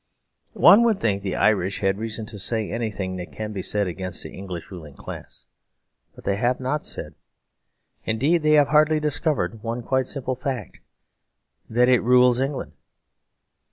One would think the Irish had reason to say anything that can be said against the English ruling class, but they have not said, indeed they have hardly discovered, one quite simple fact that it rules England.